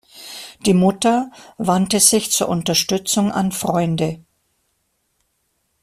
Die Mutter wandte sich zur Unterstützung an Freunde.